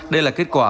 đây là kết quả